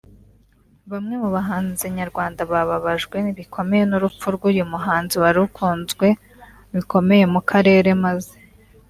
Bamwe mu bahanzi nyarwanda bababajwe bikomeye n’urupfu rw’uyu muhanzi wari ukunzwe bikomeye mu karere maze